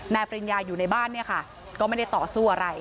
ปริญญาอยู่ในบ้านเนี่ยค่ะก็ไม่ได้ต่อสู้อะไร